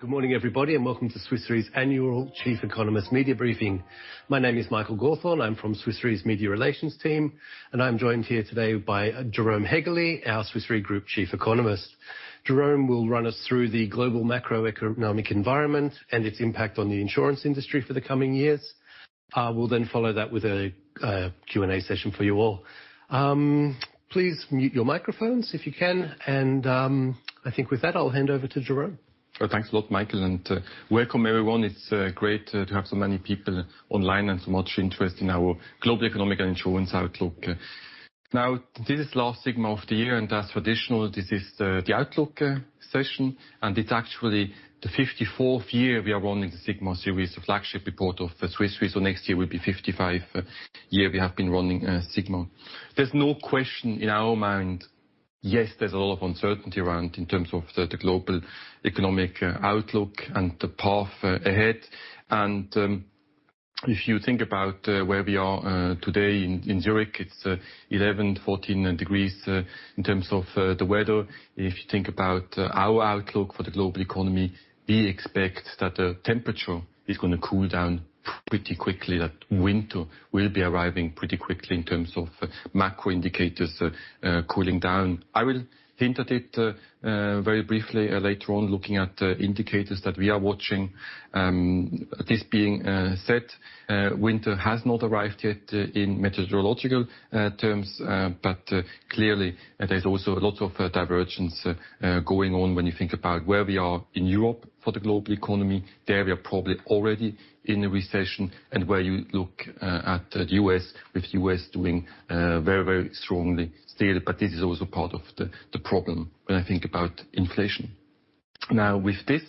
Good morning, everybody, and welcome to Swiss Re's Annual Chief Economist Media Briefing. My name is Michael Gawthorne. I'm from Swiss Re's Media Relations team, and I'm joined here today by Jérôme Haegeli, our Swiss Re Group Chief Economist. Jérôme will run us through the global macroeconomic environment and its impact on the insurance industry for the coming years. We'll then follow that with a Q&A session for you all. Please mute your microphones if you can, and I think with that I'll hand over to Jérôme. Well, thanks a lot, Michael, and welcome everyone. It's great to have so many people online and so much interest in our global economic insurance outlook. Now, this is the last Sigma of the year and as traditional, this is the outlook session, and it's actually the 54th year we are running the Sigma series, the flagship report of Swiss Re. Next year will be 55 year we have been running Sigma. There's no question in our mind, yes, there's a lot of uncertainty around in terms of the global economic outlook and the path ahead. If you think about where we are today in Zurich, it's 11 degrees-14 degrees in terms of the weather. If you think about our outlook for the global economy, we expect that the temperature is gonna cool down pretty quickly. That winter will be arriving pretty quickly in terms of macro indicators cooling down. I will hint at it very briefly later on, looking at the indicators that we are watching. This being said, winter has not arrived yet in meteorological terms. Clearly there's also a lot of divergence going on when you think about where we are in Europe for the global economy. There we are probably already in a recession. Where you look at the U.S., with U.S. doing very strongly still, this is also part of the problem when I think about inflation. Now with this,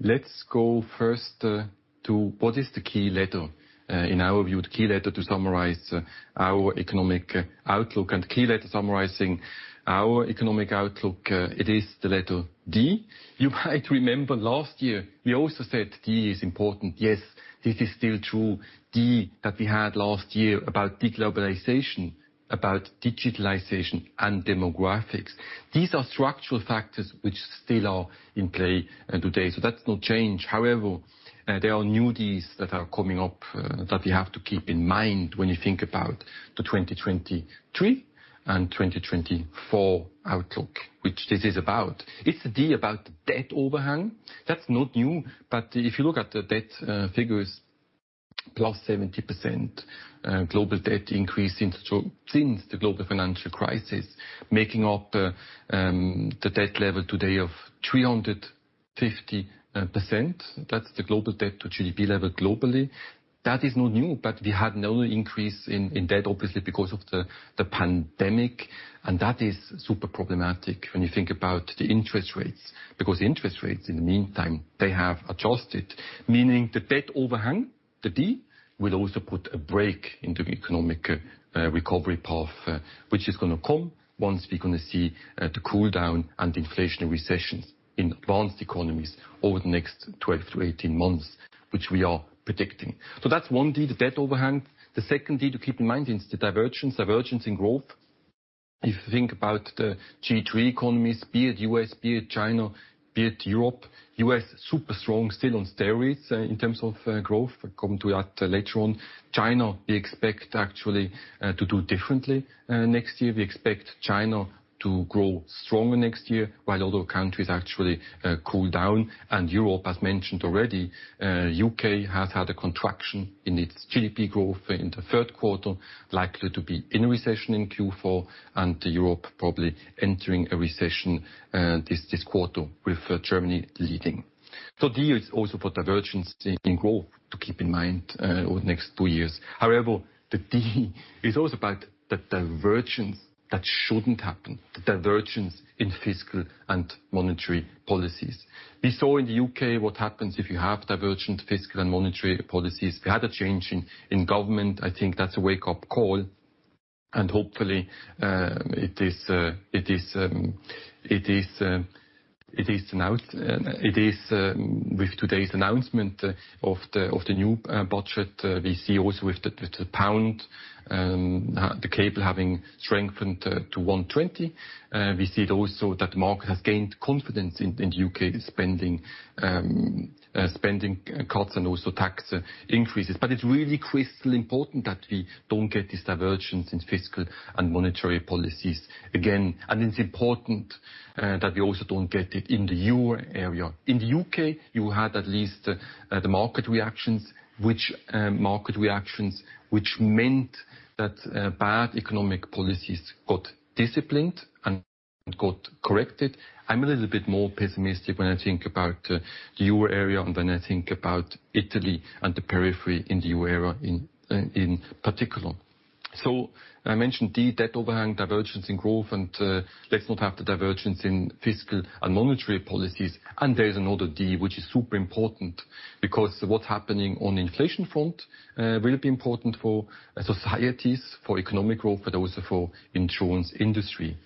let's go first to what is the key letter. In our view, the key letter to summarize our economic outlook and key letter summarizing our economic outlook, it is the letter D. You might remember last year we also said D is important. Yes, this is still true. D that we had last year about deglobalization, about digitalization and demographics. These are structural factors which still are in play today, so that's not changed. However, there are new Ds that are coming up that we have to keep in mind when you think about the 2023 and 2024 outlook, which this is about. It's the D about debt overhang. That's not new, but if you look at the debt figures, +70% global debt increase since the global financial crisis, making up the debt level today of 350%. That's the global debt to GDP level globally. That is not new, but we had an increase in debt, obviously because of the pandemic, and that is super problematic when you think about the interest rates, because interest rates in the meantime, they have adjusted. Meaning the debt overhang, the D, will also put a brake in the economic recovery path, which is gonna come once we're gonna see the cool down and inflation, recessions in advanced economies over the next 12-18 months, which we are predicting. That's one D, the debt overhang. The second D to keep in mind is the divergence in growth. If you think about the G3 economies, be it U.S., be it China, be it Europe. U.S. super strong still on steroids i]n terms of growth. We'll come to that later on. China, we expect actually to do differently next year. We expect China to grow stronger next year while other countries actually cool down and Europe, as mentioned already, U.K. has had a contraction in its GDP growth in the third quarter, likely to be in recession in Q4, and Europe probably entering a recession this quarter with Germany leading. D is also for divergence in growth to keep in mind over the next two years. However, the D is also about the divergence that shouldn't happen, the divergence in fiscal and monetary policies. We saw in the U.K. what happens if you have divergent fiscal and monetary policies. We had a change in government. I think that's a wake-up call, and hopefully, with today's announcement of the new budget, we see also with the pound, the cable having strengthened to 1.20. We see it also that market has gained confidence in the U.K. spending cuts and also tax increases. It's really critically important that we don't get this divergence in fiscal and monetary policies again. It's important that we also don't get it in the Euro area. In the U.K., you had at least the market reactions which meant that bad economic policies got disciplined and got corrected. I'm a little bit more pessimistic when I think about Euro area and when I think about Italy and the periphery in the Euro in particular. I mentioned D, debt overhang, divergence in growth and let's not have the divergence in fiscal and monetary policies. There is another D, which is super important because what's happening on inflation front will be important for societies, for economic growth, but also for insurance industry.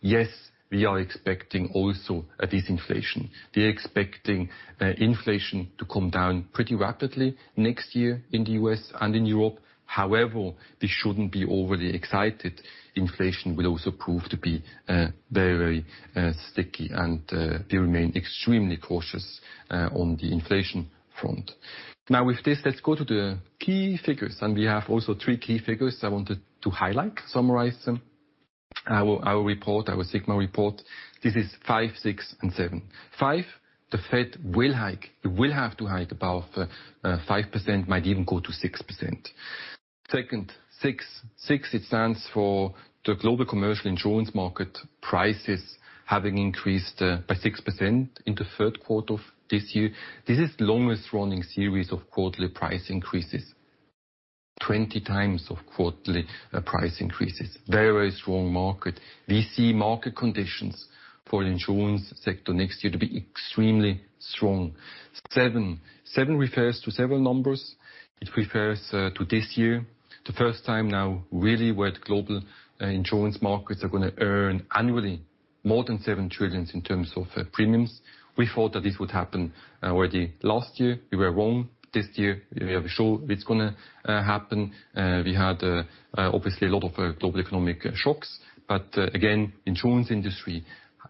Yes, we are expecting also a disinflation. We are expecting inflation to come down pretty rapidly next year in the U.S. and in Europe. However, we shouldn't be overly excited. Inflation will also prove to be very sticky and they remain extremely cautious on the inflation front. Now with this, let's go to the key figures, and we have also three key figures I wanted to highlight, summarize them. Our Sigma report. This is 5, 6, and 7. 5, the Fed will hike. It will have to hike above 5%, might even go to 6%. Second, 6. 6 it stands for the global commercial insurance market prices having increased by 6% in the third quarter of this year. This is the longest running series of quarterly price increases. 20x of quarterly price increases. Very strong market. We see market conditions for insurance sector next year to be extremely strong. 7. 7 refers to several numbers. It refers to this year, the first time now really where the global insurance markets are gonna earn annually more than $7 trillion in terms of premiums. We thought that this would happen already last year. We were wrong. This year we are sure it's gonna happen. We had obviously a lot of global economic shocks. Again, insurance industry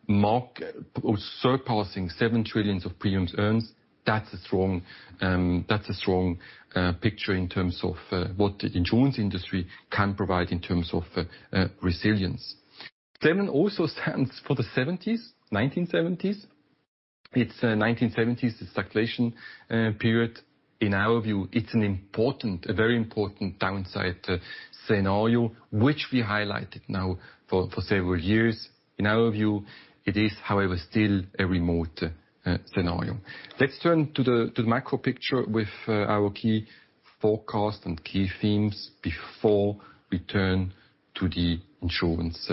surpassing $7 trillion of premiums earned, that's a strong picture in terms of what the insurance industry can provide in terms of resilience. Seven also stands for the 1970s. It's 1970s, the stagflation period. In our view, it's a very important downside scenario which we highlighted now for several years. In our view, it is, however, still a remote scenario. Let's turn to the macro picture with our key forecast and key themes before we turn to the Insurance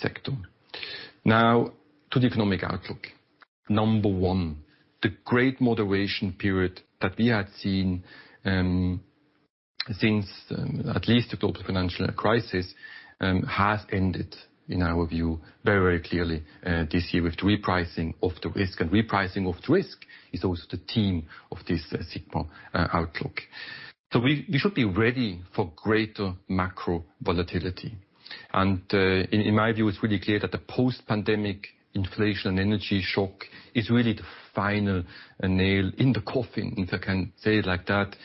sector. Now to the economic outlook. Number one, the Great Moderation period that we had seen since at least the global financial crisis has ended, in our view, very clearly this year with the repricing of the risk. Repricing of the risk is also the theme of this Sigma outlook. We should be ready for greater macro volatility. In my view, it's really clear that the post-pandemic inflation and energy shock is really the final nail in the coffin, if I can say it like that,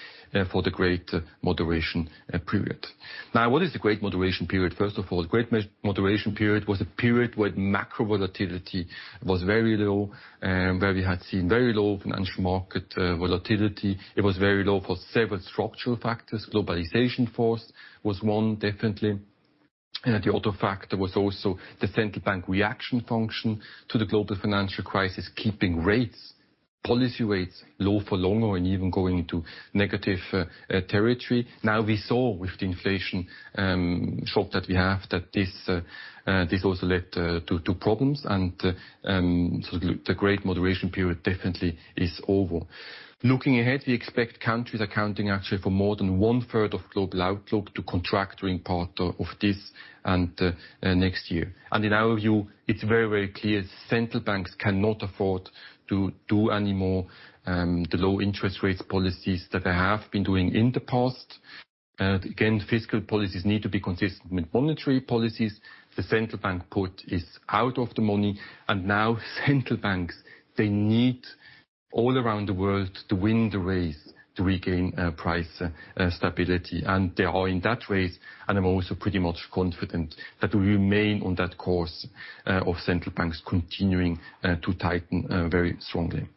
for the Great Moderation period. Now, what is the Great Moderation period? First of all, the Great Moderation period was a period where macro volatility was very low, where we had seen very low financial market volatility. It was very low for several structural factors. Globalization force was one definitely. The other factor was also the central bank reaction function to the global financial crisis, keeping rates, policy rates low for longer and even going into negative territory. Now we saw with the inflation shock that we have, that this also led to problems. The Great Moderation period definitely is over. Looking ahead, we expect countries accounting actually for more than 1/3 of global outlook to contract during part of this and next year. In our view, it's very, very clear central banks cannot afford to do any more the low interest rates policies that they have been doing in the past. Again, fiscal policies need to be consistent with monetary policies. The central bank put is out of the money and now central banks, they need all around the world to win the race to regain price stability. They are in that race. I'm also pretty much confident that we remain on that course of central banks continuing to tighten very strongly.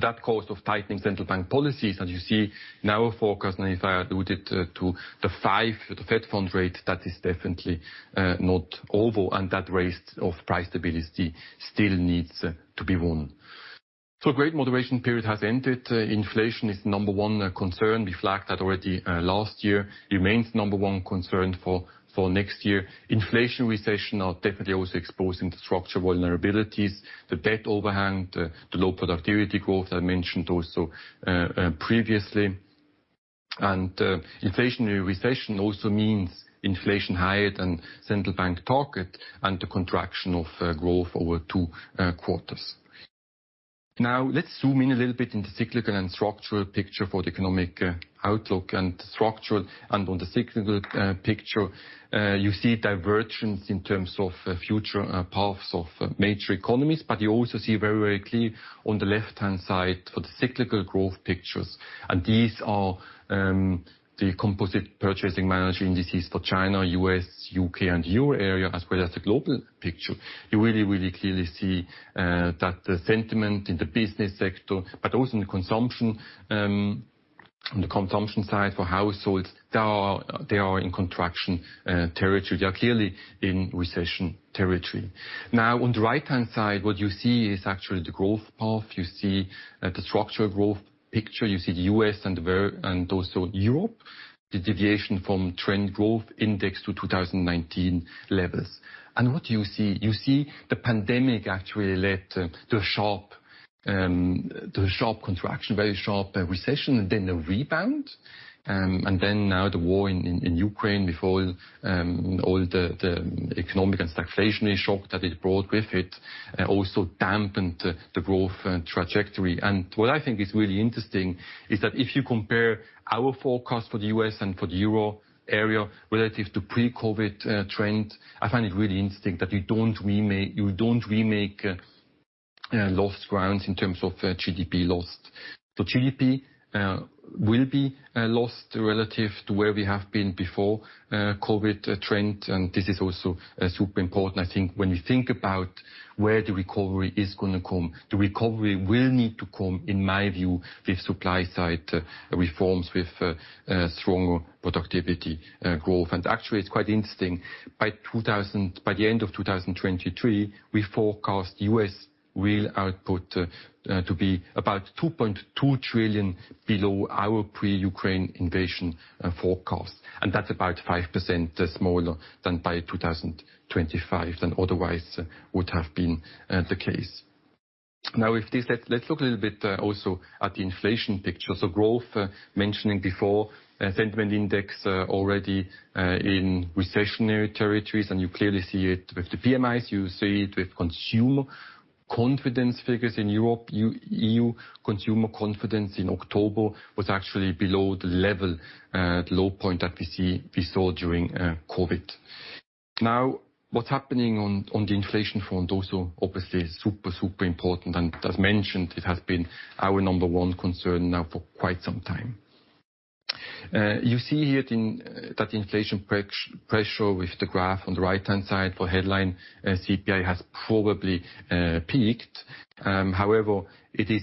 That course of tightening central bank policies, as you see in our forecast, and if I alluded to the five, the Federal funds rate, that is definitely not over and that race of price stability still needs to be won. Great Moderation period has ended. Inflation is number one concern. We flagged that already last year. Remains number one concern for next year. Inflation, recession are definitely also exposing the structural vulnerabilities. The debt overhang, the low productivity growth I mentioned also previously. Inflationary recession also means inflation higher than central bank target and the contraction of growth over two quarters. Now let's zoom in a little bit in the cyclical and structural picture for the economic outlook and structural and on the cyclical picture, you see divergence in terms of future paths of major economies. You also see very clear on the left-hand side for the cyclical growth pictures. These are the composite purchasing manager indices for China, U.S., U.K., and Euro area as well as the global picture. You really clearly see that the sentiment in the Business sector, but also on the consumption side for households, they are in contraction territory. They are clearly in recession territory. Now, on the right-hand side, what you see is actually the growth path. You see the structural growth picture. You see the U.S. and also Europe, the deviation from trend growth index to 2019 levels. What you see? You see the pandemic actually led to a sharp contraction, very sharp recession and then a rebound. Now the war in Ukraine with all the economic and stagflationary shock that it brought with it also dampened the growth trajectory. What I think is really interesting is that if you compare our forecast for the U.S. and for the Euro area relative to pre-COVID trend, I find it really interesting that you don't remake lost grounds in terms of GDP loss. The GDP will be lost relative to where we have been before COVID trend, and this is also super important, I think when you think about where the recovery is gonna come. The recovery will need to come, in my view, with supply-side reforms, with stronger productivity growth. Actually, it's quite interesting, by the end of 2023, we forecast U.S. real output to be about $2.2 trillion below our pre-Ukraine invasion forecast, and that's about 5% smaller than by 2025 than otherwise would have been the case. Now, with this, let's look a little bit also at the inflation picture. Growth, mentioning before, sentiment index already in recessionary territories, and you clearly see it with the PMIs. You see it with consumer confidence figures in Europe. E.U. consumer confidence in October was actually below the low point that we saw during COVID. Now, what's happening on the inflation front also obviously super important, and as mentioned, it has been our number one concern now for quite some time. You see here that inflation pressure with the graph on the right-hand side for headline CPI has probably peaked. However, it is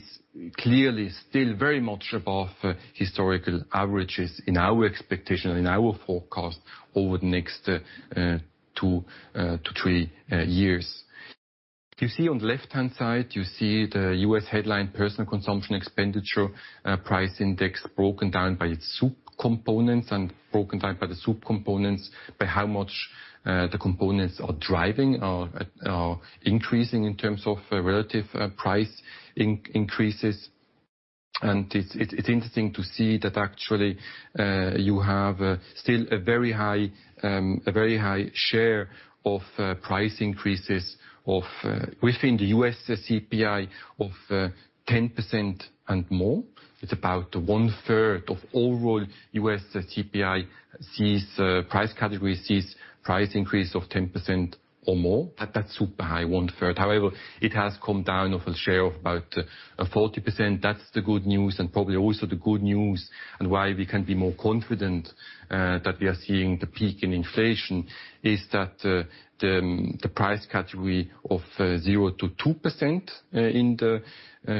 clearly still very much above historical averages in our expectation, in our forecast over the next two to three years. You see on the left-hand side the U.S. headline personal consumption expenditure price index broken down by its subcomponents and the subcomponents by how much the components are driving or increasing in terms of relative price increases. It's interesting to see that actually you have still a very high share of price increases within the U.S. CPI of 10% and more. It's about 1/3 of overall U.S. CPI price category sees price increase of 10% or more. That's super high, 1/3. However, it has come down of a share of about 40%. That's the good news and probably also the good news and why we can be more confident that we are seeing the peak in inflation is that the price category of 0%-2% in the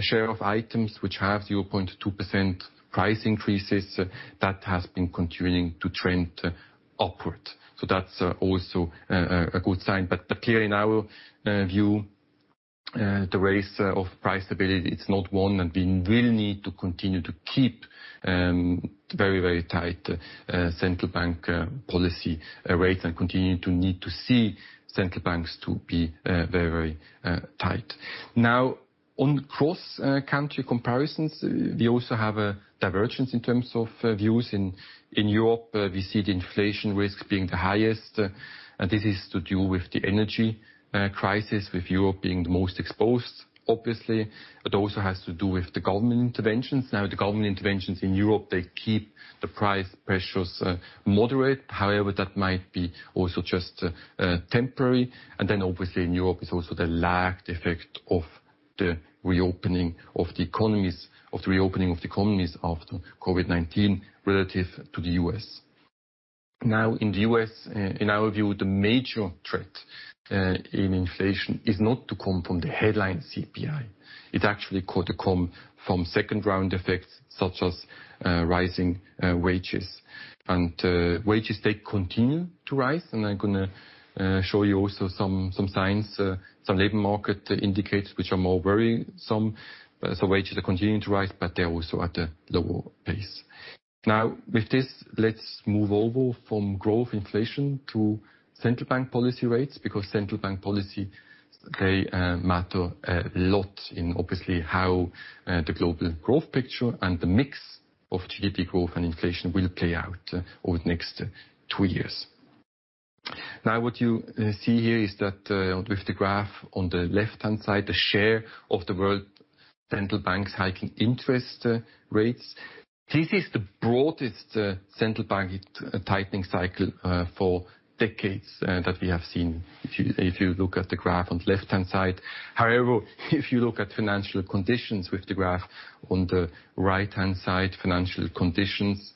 share of items which have 0.2% price increases, that has been continuing to trend upward. That's also a good sign. Clearly, in our view, the race of price stability, it's not won, and we will need to continue to keep very tight central bank policy rates and continue to need to see central banks to be very tight. Now, on cross-country comparisons, we also have a divergence in terms of views. In Europe, we see the inflation risk being the highest, and this is to do with the energy crisis, with Europe being the most exposed, obviously. It also has to do with the government interventions. Now, the government interventions in Europe, they keep the price pressures moderate. However, that might be also just temporary. Obviously in Europe, it's also the lagged effect of the reopening of the economies after COVID-19 relative to the U.S. Now in the U.S., in our view, the major threat in inflation is not to come from the headline CPI. It actually could come from second-round effects such as rising wages. Wages, they continue to rise, and I'm gonna show you also some signs, some labor market indicators which are more worrying. Wages are continuing to rise, but they're also at a lower pace. Now, with this, let's move over from growth inflation to central bank policy rates, because central bank policy, they matter a lot in obviously how the global growth picture and the mix of GDP growth and inflation will play out over the next two years. Now, what you see here is that, with the graph on the left-hand side, the share of the world central banks hiking interest rates. This is the broadest central bank tightening cycle for decades that we have seen if you look at the graph on the left-hand side. However, if you look at financial conditions with the graph on the right-hand side, financial conditions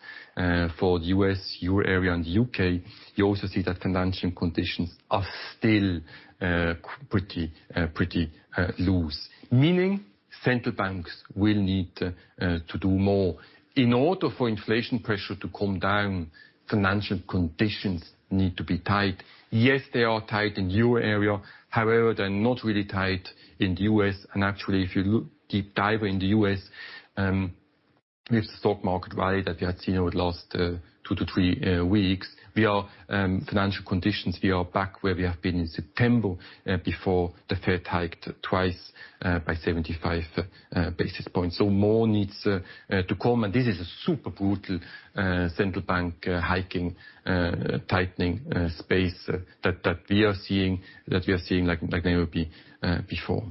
for the U.S., Euro area, and U.K., you also see that financial conditions are still pretty loose, meaning central banks will need to do more. In order for inflation pressure to come down, financial conditions need to be tight. Yes, they are tight in Euro area. However, they're not really tight in the U.S. Actually, if you look deep dive in the U.S. with the stock market rally that we have seen over the last 2-3 weeks, financial conditions, we are back where we have been in September before the Fed hiked twice by 75 basis points. More needs to come, and this is a super brutal central bank hiking tightening space that we are seeing like never before.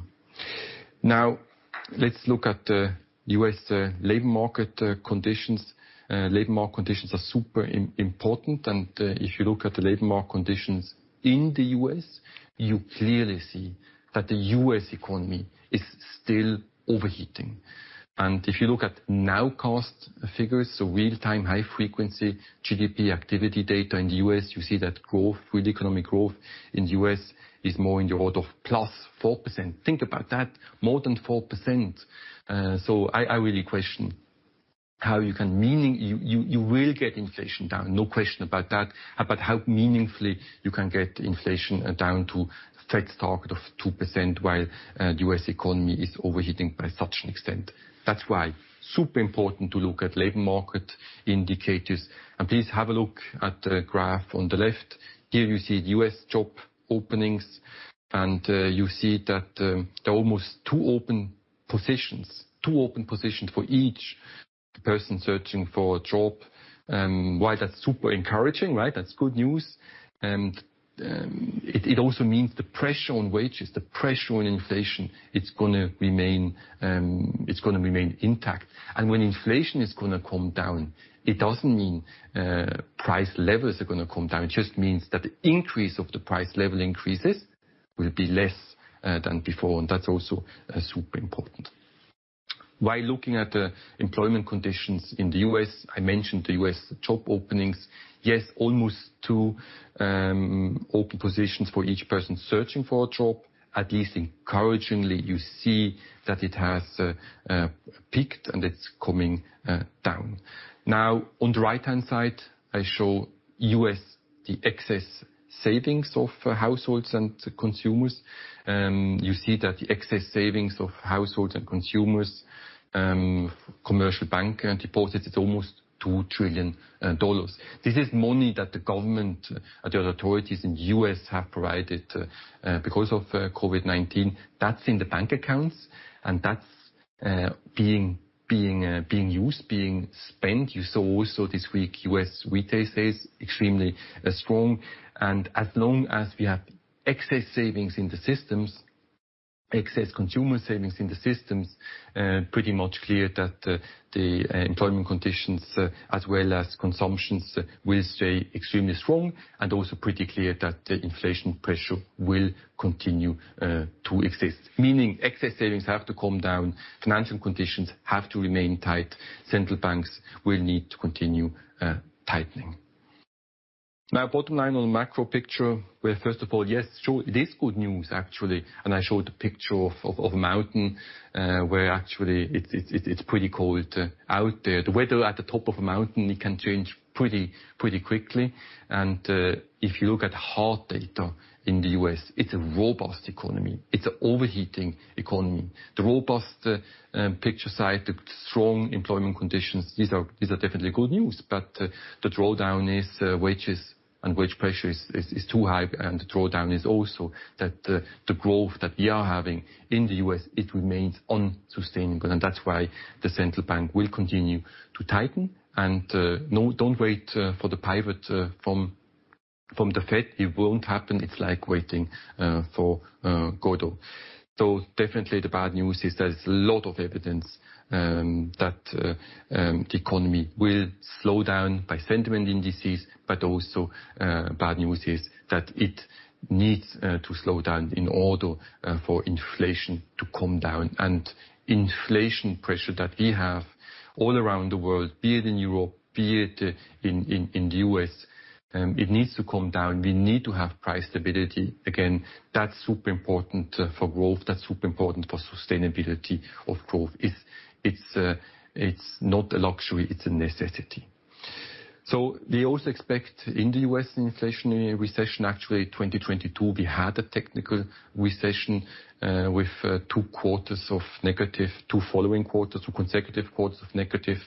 Let's look at the U.S. labor market conditions. Labor market conditions are super important. If you look at the labor market conditions in the U.S., you clearly see that the U.S. economy is still overheating. If you look at nowcast figures, so real-time, high frequency GDP activity data in the U.S., you see that growth, real economic growth in the U.S. is more in the order of +4%. Think about that, more than 4%. You will get inflation down, no question about that, but how meaningfully you can get inflation down to Fed's target of 2% while the U.S. economy is overheating by such an extent. That's why super important to look at labor market indicators. Please have a look at the graph on the left. Here you see the U.S. job openings, and you see that there are almost two open positions for each person searching for a job. While that's super encouraging, right? That's good news, and it also means the pressure on wages, the pressure on inflation, it's gonna remain intact. When inflation is gonna come down, it doesn't mean price levels are gonna come down. It just means that the increase of the price level increases will be less than before, and that's also super important. While looking at the employment conditions in the U.S., I mentioned the U.S. job openings. Yes, almost two open positions for each person searching for a job. At least encouragingly, you see that it has peaked and it's coming down. Now on the right-hand side, I show U.S., the excess savings of households and consumers. You see that the excess savings of households and consumers, commercial bank and deposits is almost $2 trillion. This is money that the government, the authorities in the U.S. have provided because of COVID-19. That's in the bank accounts and that's being used, being spent. You saw also this week U.S. retail sales extremely strong. As long as we have excess savings in the systems, excess consumer savings in the systems, pretty much clear that the employment conditions as well as consumptions will stay extremely strong and also pretty clear that the inflation pressure will continue to exist. Meaning excess savings have to come down, financial conditions have to remain tight, central banks will need to continue tightening. Now bottom line on the macro picture, where first of all, yes, sure, it is good news actually. I showed a picture of a mountain where actually it's pretty cold out there. The weather at the top of a mountain, it can change pretty quickly. If you look at hard data in the U.S., it's a robust economy. It's a overheating economy. The robust picture side, the strong employment conditions, these are definitely good news. The drawdown is wages and wage pressure is too high and the drawdown is also that the growth that we are having in the U.S., it remains unsustainable. That's why the central bank will continue to tighten and no, don't wait for the pivot from the Fed. It won't happen. It's like waiting for Godot. Definitely the bad news is there's a lot of evidence that the economy will slow down by sentiment indices, but also bad news is that it needs to slow down in order for inflation to come down. Inflation pressure that we have all around the world, be it in Europe, be it in the U.S., it needs to come down. We need to have price stability. Again, that's super important for growth. That's super important for sustainability of growth. It's not a luxury, it's a necessity. We also expect in the U.S. inflation, a recession. Actually, 2022, we had a technical recession with two following quarters or consecutive quarters of negative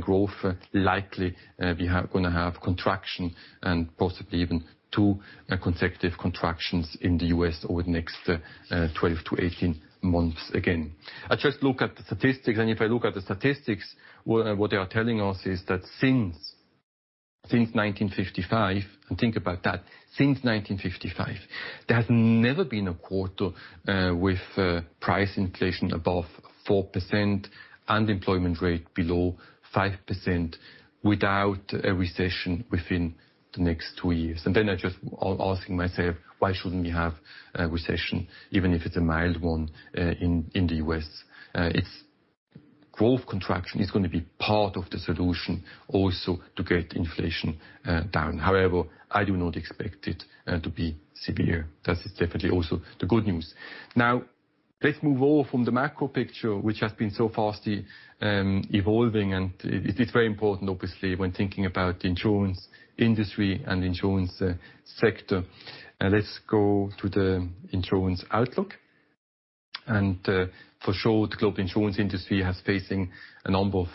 growth. Likely, we are gonna have contraction and possibly even two consecutive contractions in the U.S. over the next 12-18 months again. I just look at the statistics, and if I look at the statistics, what they are telling us is that since 1955, and think about that, since 1955, there has never been a quarter with price inflation above 4%, unemployment rate below 5% without a recession within the next two years. I just asking myself, why shouldn't we have a recession, even if it's a mild one in the U.S.? Growth contraction is gonna be part of the solution also to get inflation down. However, I do not expect it to be severe. That is definitely also the good news. Now let's move on from the macro picture, which has been so fastly evolving, and it's very important obviously when thinking about the Insurance industry and Insurance sector. Let's go to the Insurance outlook. For sure, the Global Insurance industry is facing a number of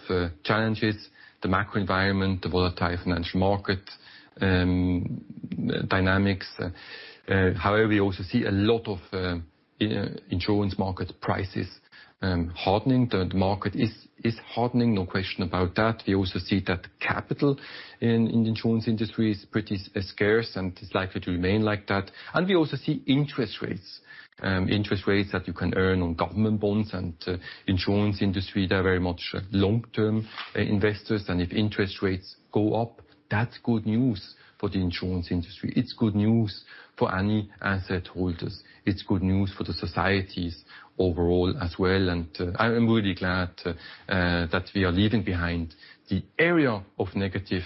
challenges, the macro environment, the volatile financial market dynamics. However, we also see a lot of insurance market prices hardening. The market is hardening, no question about that. We also see that capital in the insurance industry is pretty scarce and is likely to remain like that. We also see interest rates that you can earn on government bonds, and insurance industry, they are very much long-term investors, and if interest rates go up, that's good news for the insurance industry. It's good news for any asset holders. It's good news for the societies overall as well. I'm really glad that we are leaving behind the era of negative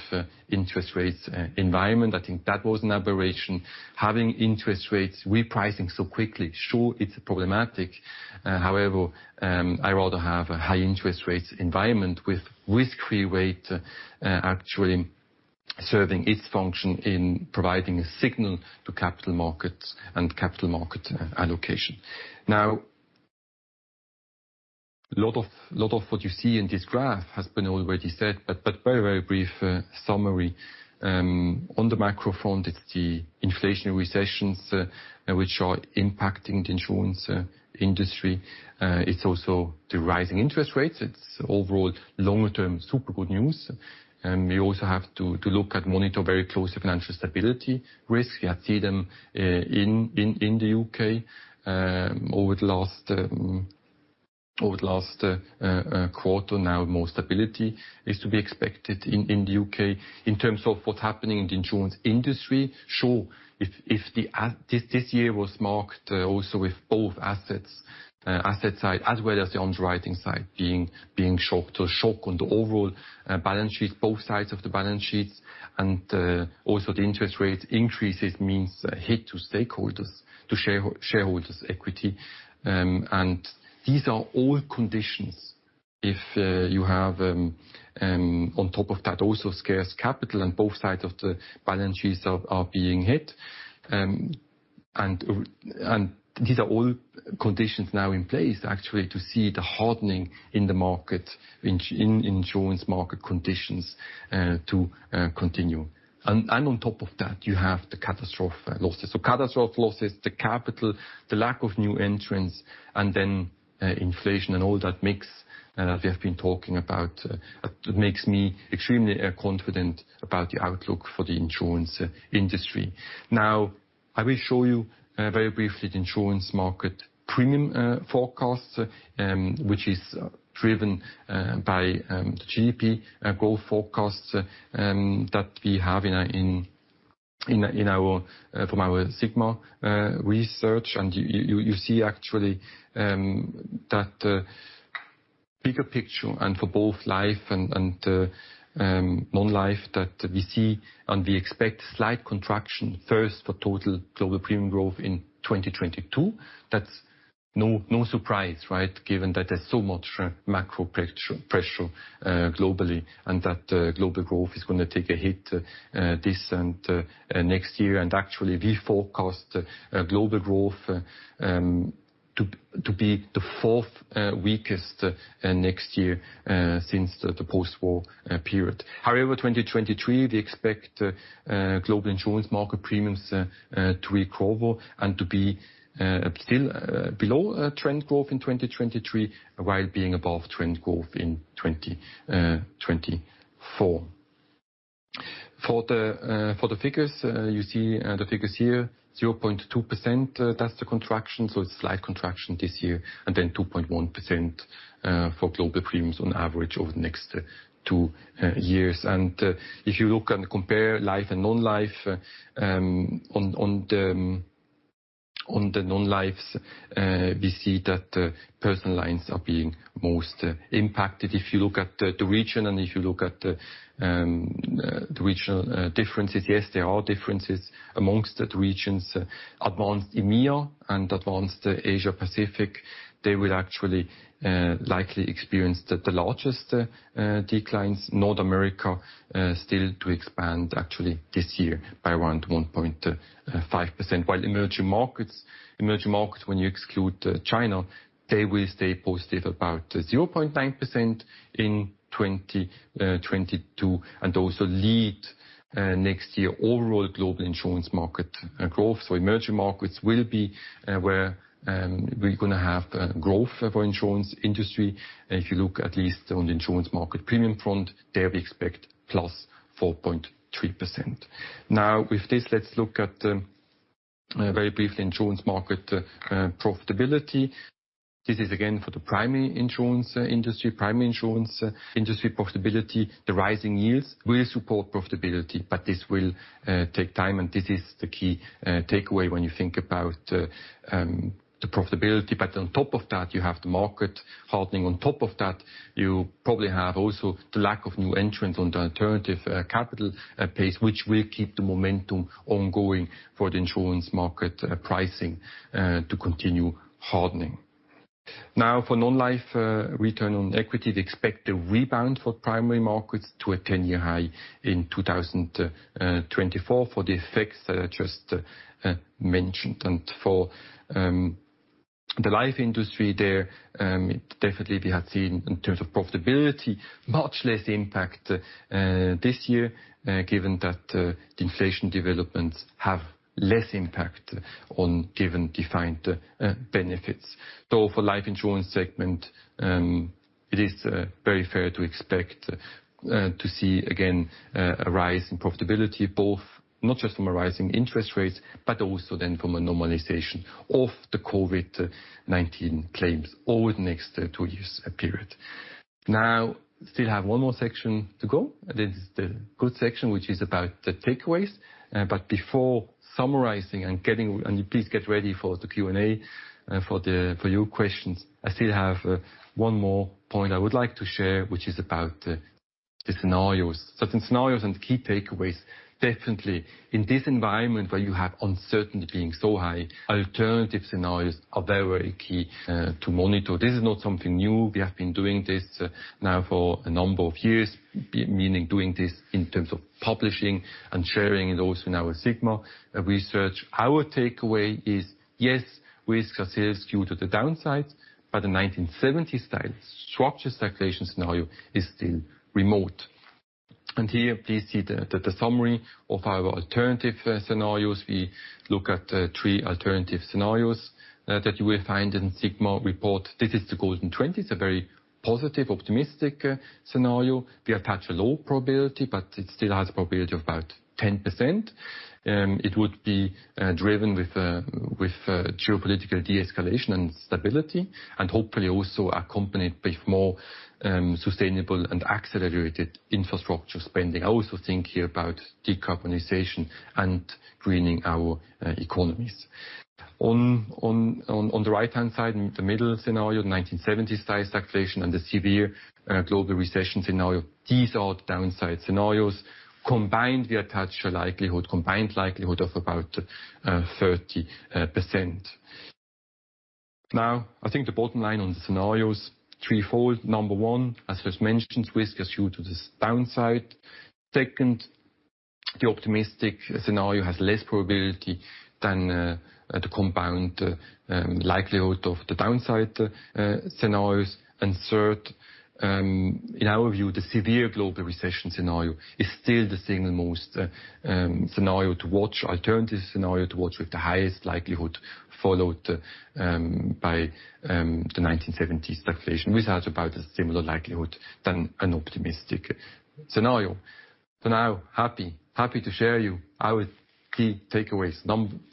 interest rates environment. I think that was an aberration. Having interest rates repricing so quickly, sure, it's problematic. However, I rather have a high interest rates environment with risk-free rate actually serving its function in providing a signal to capital markets and capital market allocation. Now, a lot of what you see in this graph has been already said, but very brief summary. On the macro front, it's the inflation, recessions which are impacting the insurance industry. It's also the rising interest rates. It's overall longer-term super good news. We also have to monitor very close to financial stability risk. We have seen them in the U.K. over the last quarter. Now more stability is to be expected in the U.K. In terms of what's happening in the insurance industry, sure, if this year was marked also with both asset side as well as the underwriting side being shocked. A shock on the overall balance sheets, both sides of the balance sheets and also the interest rate increases means a hit to stakeholders, to shareholders' equity. These are all conditions if you have on top of that also scarce capital and both sides of the balance sheets are being hit. These are all conditions now in place actually to see the hardening in the market, in insurance market conditions to continue. On top of that, you have the catastrophe losses. Catastrophe losses, the capital, the lack of new entrants, and then inflation and all that mix that we have been talking about makes me extremely confident about the outlook for the insurance industry. Now, I will show you very briefly the insurance market premium forecast, which is driven by the GDP growth forecast that we have from our Sigma research. You see actually that bigger picture and for both life and non-life that we see and we expect slight contraction first for total global premium growth in 2022. That's no surprise, right? Given that there's so much macro pressure globally, and that global growth is gonna take a hit this and next year. Actually, we forecast global growth to be the fourth weakest next year since the post-war period. However, 2023, we expect global insurance market premiums to recover and to be still below trend growth in 2023, while being above trend growth in 2024. For the figures, you see the figures here, 0.2%, that's the contraction. It's slight contraction this year, and then 2.1% for global premiums on average over the next two years. If you look and compare life and non-life, on the non-lifes, we see that personal lines are being most impacted. If you look at the region and if you look at the regional differences, yes, there are differences amongst the regions. Advanced EMEA and advanced Asia Pacific, they will actually likely experience the largest declines. North America still to expand actually this year by around 1.5%, while emerging markets, when you exclude China, they will stay positive, about 0.9% in 2022 and also lead next year overall global insurance market growth. Emerging markets will be where we're gonna have growth for insurance industry. If you look at least on the insurance market premium front, there we expect +4.3%. Now with this, let's look at very briefly insurance market profitability. This is again for the primary insurance industry profitability. The rising yields will support profitability, but this will take time, and this is the key takeaway when you think about the profitability. On top of that, you have the market hardening. On top of that, you probably have also the lack of new entrants on the alternative capital space, which will keep the momentum ongoing for the insurance market pricing to continue hardening. Now for non-life Return on Equity, we expect a rebound for primary markets to a 10-year high in 2024 for the effects I just mentioned. For the life industry there, definitely we have seen in terms of profitability, much less impact this year, given that the inflation developments have less impact on given defined benefits. For Life Insurance segment, it is very fair to expect to see again a rise in profitability, both not just from rising interest rates, but also then from a normalization of the COVID-19 claims over the next two years period. Now, still have one more section to go. This is the good section, which is about the takeaways. Please get ready for the Q&A for your questions. I still have one more point I would like to share, which is about the scenarios. Certain scenarios and key takeaways. Definitely in this environment where you have uncertainty being so high, alternative scenarios are very key to monitor. This is not something new. We have been doing this now for a number of years, meaning doing this in terms of publishing and sharing it also in our Sigma research. Our Takeaway is, yes, risk are serious due to the downsides, but the 1970-style stagflation scenario is still remote. Here please see the summary of our alternative scenarios. We look at three alternative scenarios that you will find in Sigma report. This is the Golden Twenties, a very positive, optimistic scenario. We attach a low probability, but it still has probability of about 10%. It would be driven with geopolitical de-escalation and stability, and hopefully also accompanied with more sustainable and accelerated infrastructure spending. I also think here about decarbonization and greening our economies. On the right-hand side, in the middle scenario, 1970s-style stagflation and the severe global recession scenario. These are the downside scenarios. Combined, we attach a combined likelihood of about 30%. Now, I think the bottom line on the scenario is threefold. Number 1, as just mentioned, risk is due to this downside. Second, the optimistic scenario has less probability than the compound likelihood of the downside scenarios. Third, in our view, the severe global recession scenario is still the single most alternative scenario to watch with the highest likelihood, followed by the 1970 stagflation, which has about a similar likelihood than an optimistic scenario. Now happy to share you our key takeaways.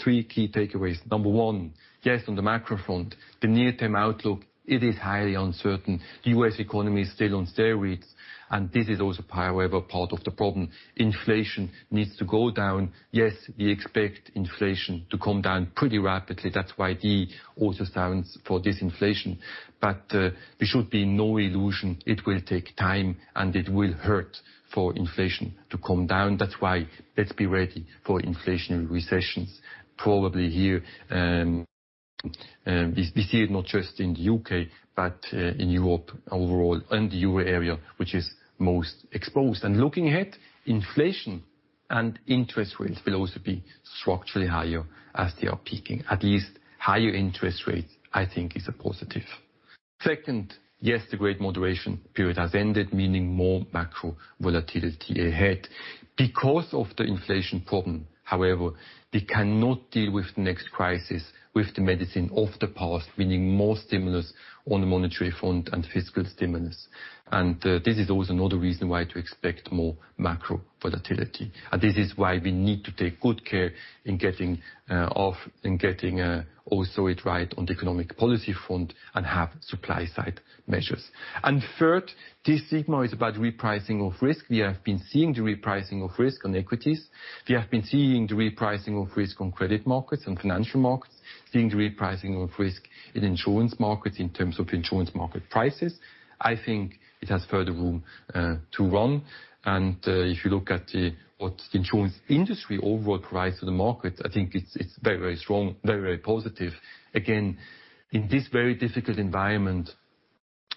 3 key takeaways. Number 1, yes, on the macro front, the near-term outlook, it is highly uncertain. The U.S. economy is still on steroids, and this is also however part of the problem. Inflation needs to go down. Yes, we expect inflation to come down pretty rapidly. That's why D also stands for disinflation. There should be no illusion. It will take time, and it will hurt for inflation to come down. That's why let's be ready for inflationary recessions probably here. We see it not just in the U.K., but in Europe overall and the Euro area, which is most exposed. Looking ahead, inflation and interest rates will also be structurally higher as they are peaking. At least higher interest rates, I think, is a positive. Second, yes, the Great Moderation period has ended, meaning more macro volatility ahead. Because of the inflation problem, however, we cannot deal with the next crisis with the medicine of the past, meaning more stimulus on the monetary front and fiscal stimulus. This is also another reason why to expect more macro volatility. This is why we need to take good care in getting also it right on the economic policy front and have supply side measures. Third, this Sigma is about repricing of risk. We have been seeing the repricing of risk on equities. We have been seeing the repricing of risk on credit markets and financial markets, seeing the repricing of risk in insurance markets, in terms of insurance market prices. I think it has further room to run. If you look at what the insurance industry overall provides to the market, I think it's very strong, very positive. Again, in this very difficult environment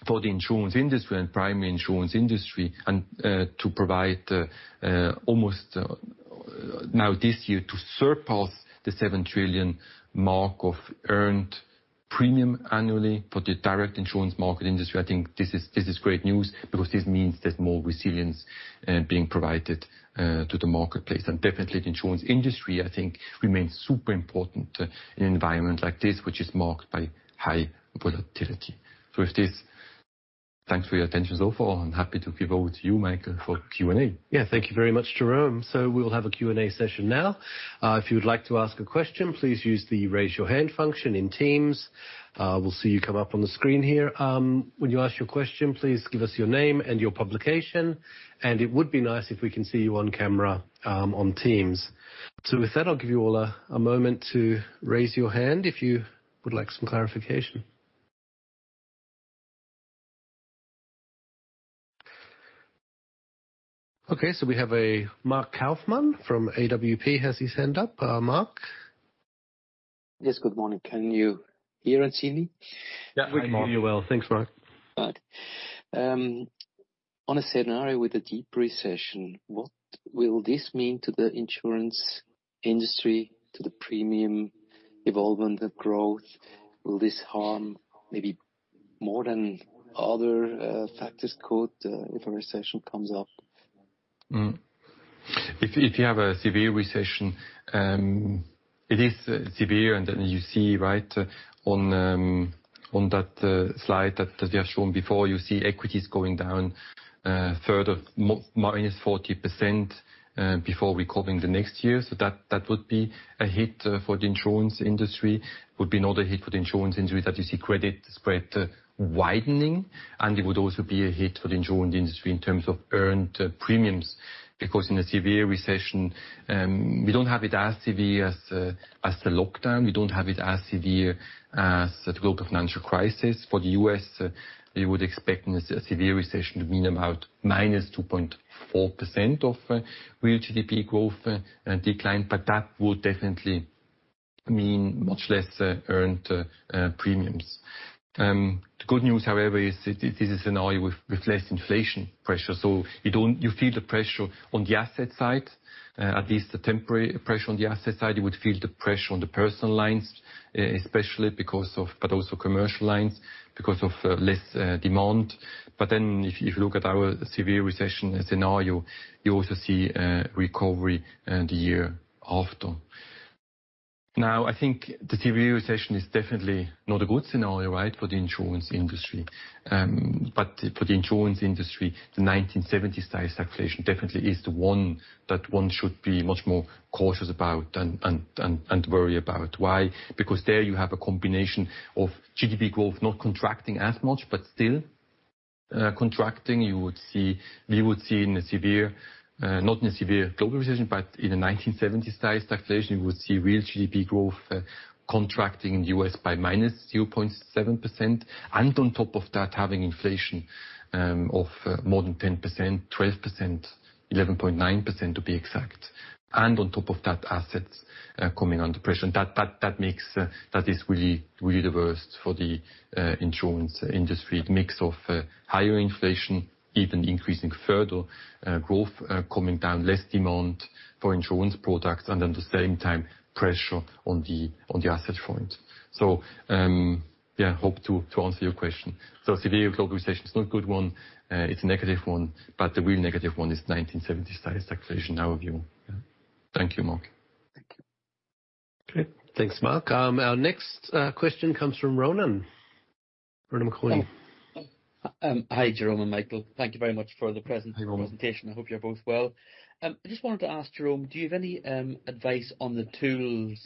for the insurance industry and primary insurance industry and to provide almost now this year to surpass the $7 trillion mark of earned premium annually for the direct insurance market industry. I think this is great news because this means there's more resilience being provided to the marketplace. Definitely the insurance industry, I think, remains super important in an environment like this, which is marked by high volatility. With this, thanks for your attention so far, and happy to give over to you, Michael, for Q&A. Yeah. Thank you very much, Jérôme. We'll have a Q&A session now. If you'd like to ask a question, please use the raise your hand function in Teams. We'll see you come up on the screen here. When you ask your question, please give us your name and your publication, and it would be nice if we can see you on camera on Teams. With that, I'll give you all a moment to raise your hand if you would like some clarification. Okay, we have a Marc Kaufmann from AWP, has his hand up. Marc. Yes. Good morning. Can you hear and see me? Yeah. We can hear you well. Thanks, Marc. Good. On a scenario with a deep recession, what will this mean to the insurance industry, to the premium evolvement growth? Will this harm maybe more than other factors could if a recession comes up? Mm-hmm. If you have a severe recession, it is severe and then you see right on that slide that we have shown before, you see equities going down further, -40% before recovering the next year. That would be a hit for the insurance industry. Would be another hit for the insurance industry that you see credit spread widening, and it would also be a hit for the insurance industry in terms of earned premiums. Because in a severe recession, we don't have it as severe as the lockdown. We don't have it as severe as the global financial crisis. For the U.S., we would expect in a severe recession to mean about -2.4% of real GDP growth decline, but that would definitely mean much less earned premiums. The good news, however, is this is a scenario with less inflation pressure. You feel the pressure on the asset side, at least the temporary pressure on the asset side. You would feel the pressure on the personal lines, especially because of, but also commercial lines because of less demand. If you look at our severe recession scenario, you also see recovery the year after. Now, I think the severe recession is definitely not a good scenario, right, for the insurance industry. For the insurance industry, the 1970-style stagflation definitely is the one that one should be much more cautious about and worry about. Why? Because there you have a combination of GDP growth not contracting as much but still contracting. We would see, not in a severe global recession but in a 1970-style stagflation, you would see real GDP growth contracting in the U.S. by -0.7%. On top of that, having inflation of more than 10%, 12%, 11.9% to be exact. On top of that, assets coming under pressure. That is really, really the worst for the insurance industry. The mix of higher inflation, even increasing further, growth coming down, less demand for insurance products and at the same time pressure on the asset front. Yeah, hope to answer your question. Severe global recession is not a good one. It's a negative one, but the real negative one is 1970-style stagflation in our view. Yeah. Thank you, Marc. Thank you. Okay. Thanks, Marc. Our next question comes from Ronan McLaughlin. Um, hi, Jérôme and Michael. Thank you very much for the present- Hi, Ronan. Presentation. I hope you're both well. I just wanted to ask Jérôme, do you have any advice on the tools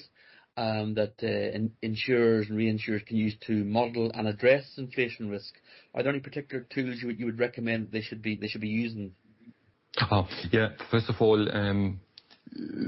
that insurers and reinsurers can use to model and address inflation risk? Are there any particular tools you would recommend they should be using? Oh, yeah. First of all,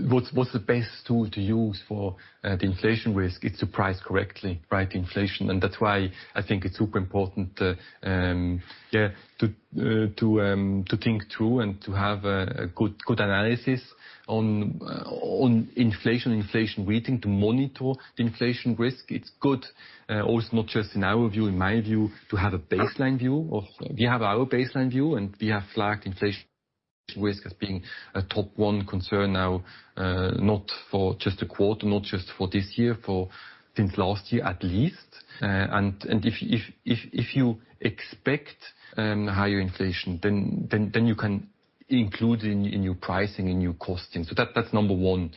what's the best tool to use for the inflation risk? It's to price correctly, right, inflation. That's why I think it's super important, yeah, to think through and to have a good analysis on inflation weighting to monitor the inflation risk. It's good always, not just in our view, in my view, to have a baseline view. We have our baseline view, and we have flagged inflation risk as being a top one concern now, not for just a quarter, not just for this year, for since last year at least. If you expect higher inflation then you can include in your pricing and your costing. That's number one.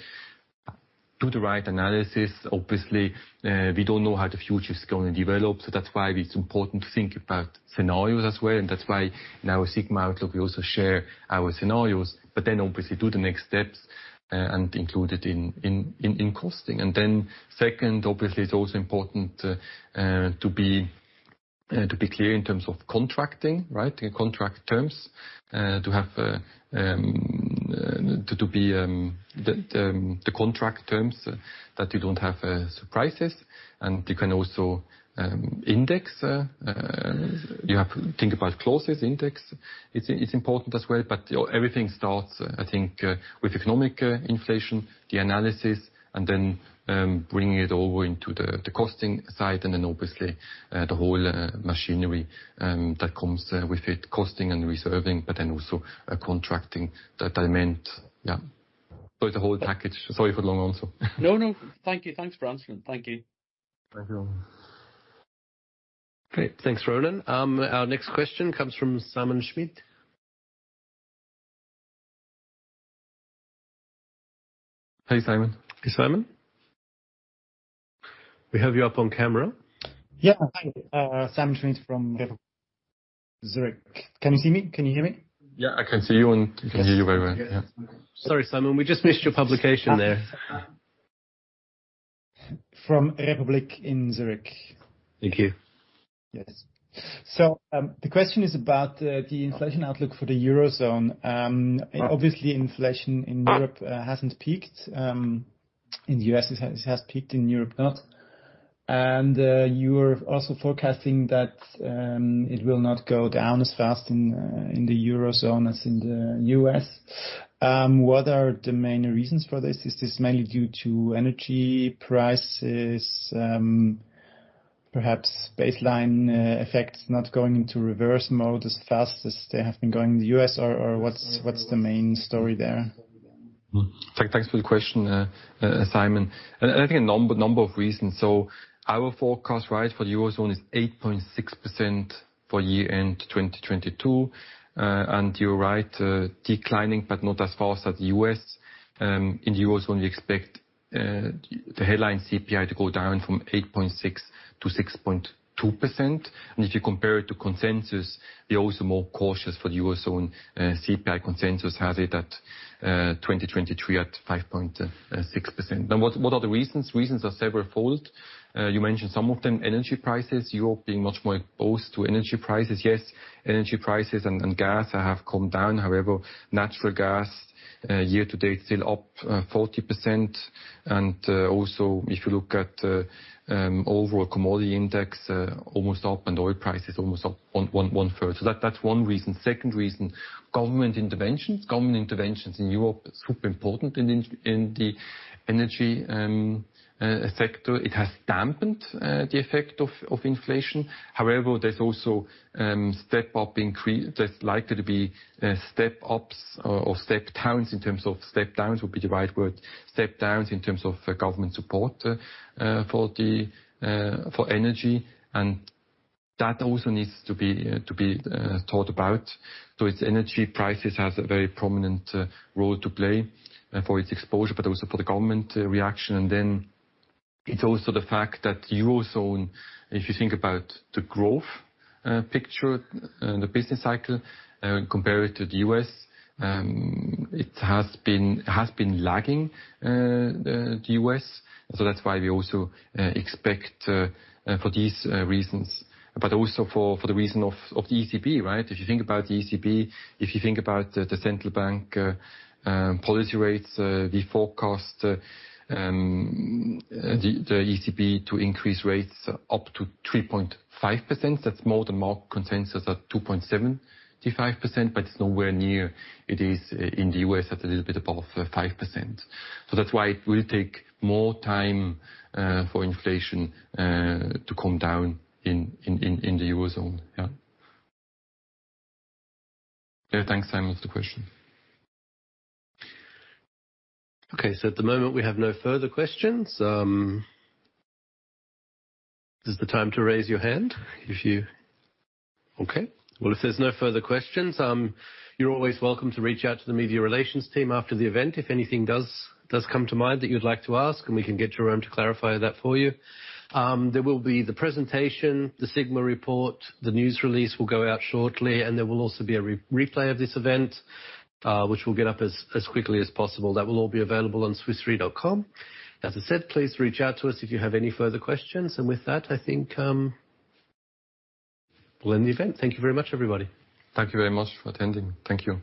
Do the right analysis. Obviously, we don't know how the future is going to develop, so that's why it's important to think about scenarios as well. That's why in our Sigma outlook, we also share our scenarios. Obviously do the next steps and include it in costing. Second, obviously it's also important to be clear in terms of contracting, right? In contract terms. To have the contract terms that you don't have surprises. You have to think about clauses index. It's important as well. You know, everything starts, I think, with economic inflation, the analysis, and then bringing it over into the costing side, and then obviously the whole machinery that comes with it, costing and reserving, but then also contracting. That I meant. Yeah. It's a whole package. Sorry for long answer. No. Thank you. Thanks for answering. Thank you. Thank you. Great. Thanks, Ronan. Our next question comes from Simon Schmidt. Hey, Simon. Hey, Simon. We have you up on camera. Yeah. Thank you. Simon Schmidt from Zurich. Can you see me? Can you hear me? Yeah, I can see you, and we can hear you very well. Yeah. Sorry, Simon. We just missed your publication there. From Republik in Zurich. Thank you. Yes. The question is about the inflation outlook for the Eurozone. Obviously inflation in Europe hasn't peaked, in the U.S. it has peaked, in Europe not. You're also forecasting that it will not go down as fast in the Eurozone as in the U.S. What are the main reasons for this? Is this mainly due to energy prices? Perhaps baseline effects not going into reverse mode as fast as they have been going in the U.S. or what's the main story there? Thanks for the question, Simon. I think a number of reasons. Our forecast, right, for the Eurozone is 8.6% for year-end 2022. You're right, declining, but not as fast as the U.S. In the Eurozone, we expect the headline CPI to go down from 8.6%-6.2%. If you compare it to consensus, we're also more cautious for the Eurozone. CPI consensus has it at 2023 at 5.6%. Now, what are the reasons? Reasons are several-fold. You mentioned some of them. Energy prices. Europe being much more exposed to energy prices. Yes, energy prices and gas have come down. However, natural gas, year-to-date, still up 40%. Also if you look at overall commodity index almost up, and oil prices almost up 1/3. That's one reason. Second reason, government interventions. Government interventions in Europe are super important in the energy sector. It has dampened the effect of inflation. However, there's likely to be step-ups or step-downs, step-downs would be the right word. Step-downs in terms of government support for energy, and that also needs to be thought about. It's energy prices has a very prominent role to play for its exposure, but also for the government reaction. It's also the fact that Eurozone, if you think about the growth picture, the business cycle and compare it to the U.S., it has been lagging the U.S. That's why we also expect for these reasons, but also for the reason of the ECB, right? If you think about the ECB, if you think about the central bank policy rates, we forecast the ECB to increase rates up to 3.5%. That's more the market consensus at 2.75%, but it's nowhere near it is in the U.S. at a little bit above 5%. That's why it will take more time for inflation to come down in the Eurozone. Yeah. Thanks, Simon, for the question. Okay. At the moment, we have no further questions. This is the time to raise your hand. Okay, well, if there's no further questions, you're always welcome to reach out to the Media Relations team after the event if anything does come to mind that you'd like to ask, and we can get Jérôme to clarify that for you. There will be the presentation, the Sigma report. The news release will go out shortly, and there will also be a replay of this event, which we'll get up as quickly as possible. That will all be available on swissre.com. As I said, please reach out to us if you have any further questions. With that, I think we'll end the event. Thank you very much, everybody. Thank you very much for attending. Thank you.